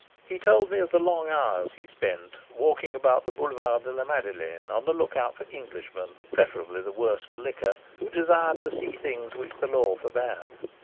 He told me of the long hours he spent walking about the Boulevard de la Madeleine on the look out for Englishmen, preferably the worse for liquor, who desired to see things which the law forbade.